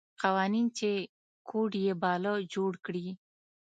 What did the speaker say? قوانین چې کوډ یې باله جوړ کړي.